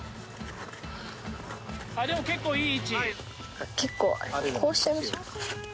でも結構いい位置！